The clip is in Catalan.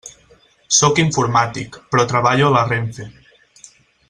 Sóc informàtic, però treballo a la RENFE.